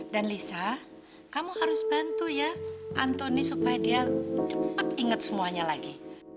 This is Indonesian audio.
dan lisa kamu harus bantu ya antoni supaya dia cepet inget semuanya lagi